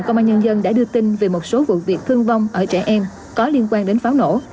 công an nhân dân đã đưa tin về một số vụ việc thương vong ở trẻ em có liên quan đến pháo nổ